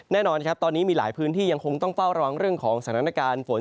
แน่นอนครับตอนนี้มีหลายพื้นที่ยังคงต้องเฝ้าระวังเรื่องของสถานการณ์ฝน